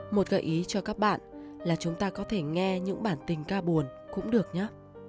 một gợi ý cho các bạn là chúng ta có thể nghe những bản tình ca buồn cũng được nhắc